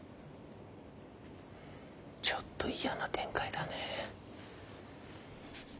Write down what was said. ちょっと嫌な展開だね。